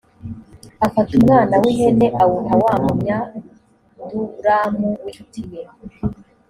afata umwana w’ihene awuha wa munyadulamu w’incuti ye